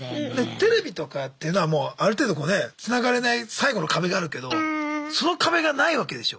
テレビとかっていうのはもうある程度つながれない最後の壁があるけどその壁がないわけでしょ。